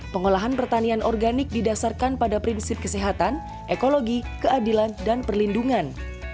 pengolahan pertanian organik didasarkan pada prinsip kesehatan ekologi keadilan dan perlindungan